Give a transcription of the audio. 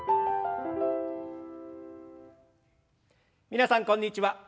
皆さんこんにちは。